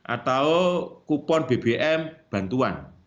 atau kupon bbm bantuan